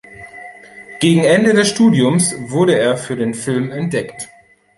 Gegen Ende des Studiums wurde er für den Film entdeckt.